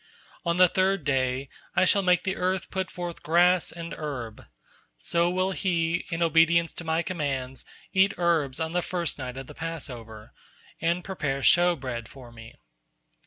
On the third day, I shall make the earth put forth grass and herb; so will he, in obedience to My commands, eat herbs on the first night of the Passover, and prepare showbread for Me.